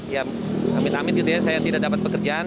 ya amit amit gitu ya saya tidak dapat pekerjaan